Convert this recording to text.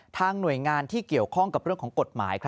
หน่วยงานที่เกี่ยวข้องกับเรื่องของกฎหมาย